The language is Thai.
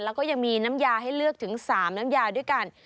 แล้วก็ยังมีน้ำยาให้เลือกถึง๓น้ำยาด้วยกัน